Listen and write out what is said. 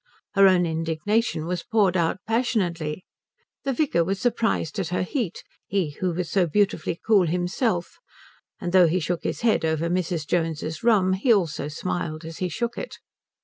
Her own indignation was poured out passionately. The vicar was surprised at her heat, he who was so beautifully cool himself, and though he shook his head over Mrs. Jones's rum he also smiled as he shook it.